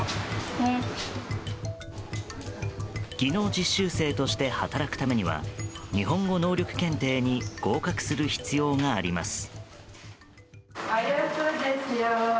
技能実習生として働くためには日本語能力検定に合格する必要があります。